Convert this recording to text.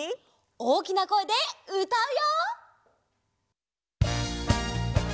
おおきなこえでうたうよ！